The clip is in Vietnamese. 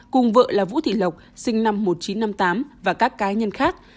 cùng vợ là vũ thị lộc sinh năm một nghìn chín trăm năm mươi tám và các cá nhân khác